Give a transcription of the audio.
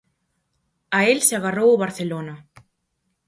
A el se agarrou o Barcelona.